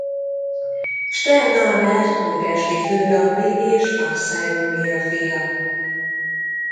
Stern Albert újpesti főrabbi és Fassel Júlia fia.